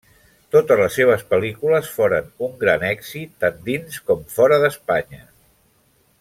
Totes les seves pel·lícules foren un gran èxit tant dins com fora d'Espanya.